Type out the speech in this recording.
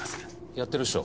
やってるっしょ。